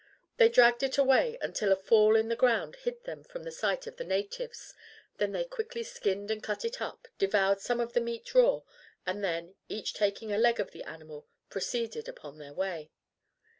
They dragged it away until a fall in the ground hid them from the sight of the natives, then they quickly skinned and cut it up, devoured some of the meat raw, and then, each taking a leg of the animal, proceeded upon their way.